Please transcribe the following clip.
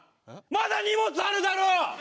まだ荷物あるだろ！